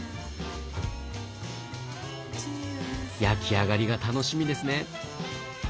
焼き上がりが楽しみですね。